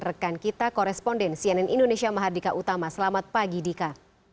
rekan kita koresponden cnn indonesia mahardika utama selamat pagi dika